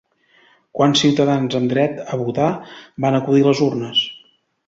Quants ciutadans amb dret a votar van acudir a les urnes?